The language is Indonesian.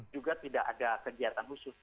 juga tidak ada kegiatan khusus